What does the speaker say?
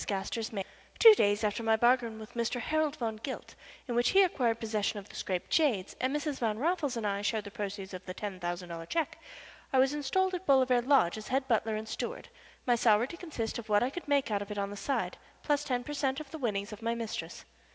GASTER'S MAID Two days after my bargain with Mr. Harold Van Gilt, in which he acquired possession of the Scrappe jades and Mrs. Van Raffles and I shared the proceeds of the ten thousand dollars check, I was installed at Bolivar Lodge as head butler and steward, my salary to consist of what I could make out of it on the side, plus ten per cent. of the winnings of my mistress.